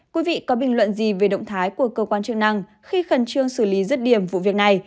quý vị có bình luận gì về động thái của cơ quan chức năng khi khẩn trương xử lý rứt điểm vụ việc này